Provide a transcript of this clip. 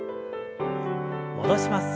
戻します。